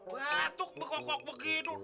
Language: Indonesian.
batuk bekok bekok begitu